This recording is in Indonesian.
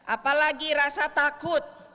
apalagi rasa takut